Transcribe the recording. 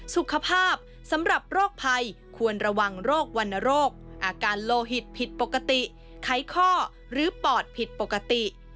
สุขภาพสำหรับโรคภัยควรระวังโรควรรณโรคอาการโลหิตผิดปกติไขข้อหรือปอดผิดปกติ